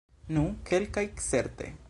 Nu, kelkaj certe.